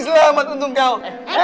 selamat untuk kau